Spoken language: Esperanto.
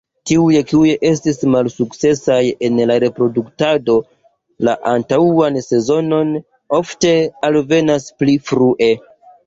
Tiuj kiuj estis malsukcesaj en reproduktado la antaŭan sezonon ofte alvenas pli frue.